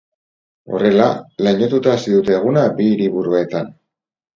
Horrela, lainotuta hasi dute eguna bi hiriburuetan.